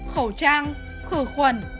khẩu trang khử khuẩn